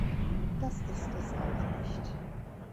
Das ist es auch nicht.